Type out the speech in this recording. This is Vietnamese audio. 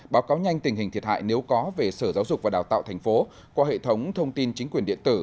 báo cáo nhanh tình hình thiệt hại nếu có về sở giáo dục và đào tạo thành phố qua hệ thống thông tin chính quyền điện tử